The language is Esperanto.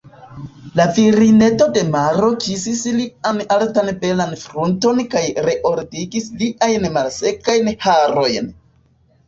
La virineto de maro kisis lian altan belan frunton kaj reordigis liajn malsekajn harojn.